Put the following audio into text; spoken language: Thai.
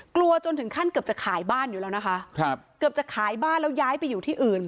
จนถึงขั้นเกือบจะขายบ้านอยู่แล้วนะคะครับเกือบจะขายบ้านแล้วย้ายไปอยู่ที่อื่น